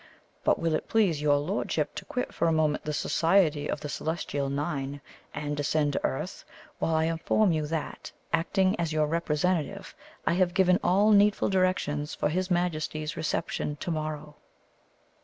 But will it please your lord ship to quit for a moment the society of the celestial Nine, and descend to earth, while I inform you that, acting as your representative, I have given all needful directions for his majesty's reception to morrow?"